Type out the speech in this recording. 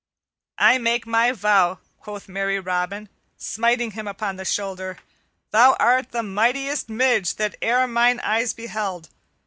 "I make my vow," quoth merry Robin, smiting him upon the shoulder, "thou art the mightiest Midge that e'er mine eyes beheld.